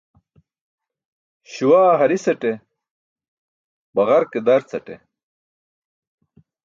Śuwaa hari̇saṭe, baġarke darcaṭe.